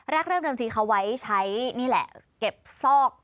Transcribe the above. เริ่มเดิมทีเขาไว้ใช้นี่แหละเก็บซอก